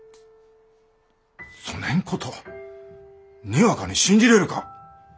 そねんことにわかに信じれるか。